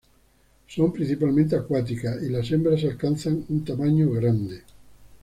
Son principalmente acuáticas, y las hembras alcanzan un tamaño grande.